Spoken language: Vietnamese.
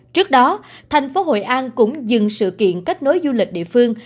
trước đó thành phố hội an cũng dừng sự kiện kết nối du lịch địa phương